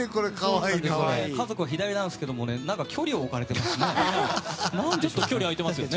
家族は左なんですけど距離を置かれてるんですね。